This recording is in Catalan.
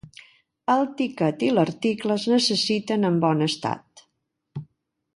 El tiquet i l'article es necessiten en bon estat.